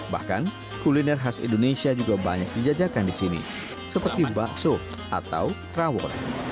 bahkan kuliner khas indonesia juga banyak dijajakan di sini seperti bakso atau rawon